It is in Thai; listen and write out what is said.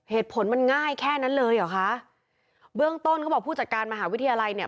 เหตุผลมันง่ายแค่นั้นเลยเหรอคะเบื้องต้นเขาบอกผู้จัดการมหาวิทยาลัยเนี่ย